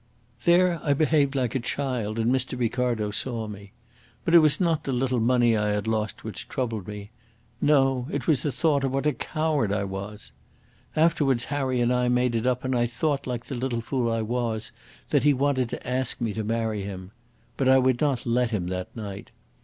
There I behaved like a child, and Mr. Ricardo saw me. But it was not the little money I had lost which troubled me; no, it was the thought of what a coward I was. Afterwards Harry and I made it up, and I thought, like the little fool I was, that he wanted to ask me to marry him. But I would not let him that night.